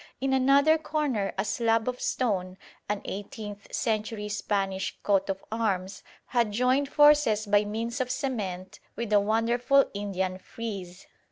In another corner a slab of stone, an eighteenth century Spanish coat of arms, had joined forces by means of cement with a wonderful Indian frieze.